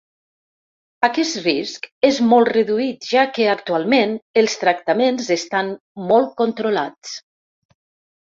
Aquest risc és molt reduït ja que, actualment, els tractaments estan molt controlats.